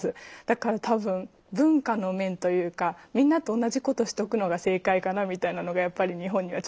だから多分文化の面というかみんなと同じことしとくのが正解かなみたいなのがやっぱり日本にはちょっとあるので。